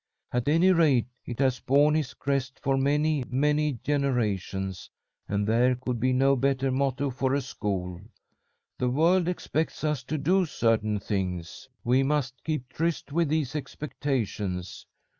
At any rate, it has borne his crest for many, many generations, and there could be no better motto for a school. The world expects us to do certain things. We must keep tryst with these expectations.